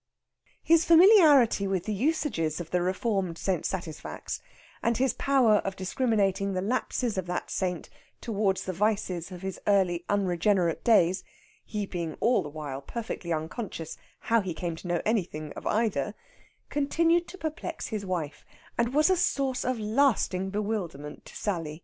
His familiarity with the usages of the reformed St. Satisfax, and his power of discriminating the lapses of that saint towards the vices of his early unregenerate days he being all the while perfectly unconscious how he came to know anything of either continued to perplex his wife, and was a source of lasting bewilderment to Sally.